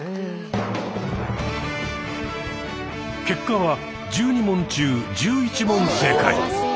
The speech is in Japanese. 結果は１２問中１１問正解。